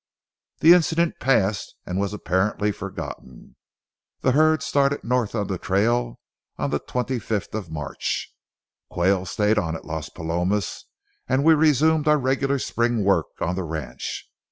The incident passed and was apparently forgotten. The herd started north on the trail on the twenty fifth of March, Quayle stayed on at Las Palomas, and we resumed our regular spring work on the ranch.